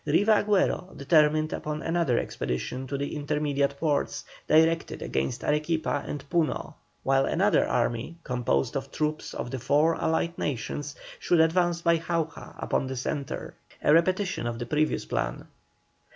Riva Agüero determined upon another expedition to the intermediate ports, directed against Arequipa and Puno, while another army, composed of troops of the four Allied Nations, should advance by Jauja upon the centre, a repetition of the previous plan.